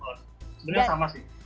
betul sebenarnya sama sih